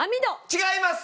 違います。